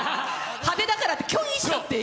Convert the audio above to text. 派手だからって拒否したっていう。